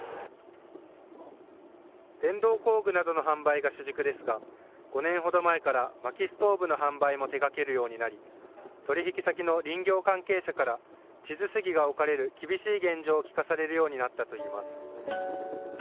電動工具などの販売が主軸ですが、５年ほど前からまきストーブの販売も手がけるようになり、取り引き先の林業関係者から、智頭杉が置かれる厳しい現状を聞かされるようになったといいます。